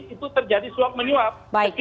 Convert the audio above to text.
itu terjadi suap menyuap